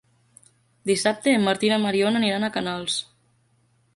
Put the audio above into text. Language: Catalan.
Dissabte en Martí i na Mariona aniran a Canals.